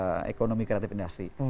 itu adalah ekonomi kreatif industri